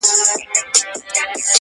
د ښکلیو نجونو شاپېریو وطن-